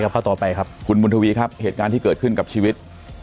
ข้อต่อไปครับคุณบุญทวีครับเหตุการณ์ที่เกิดขึ้นกับชีวิต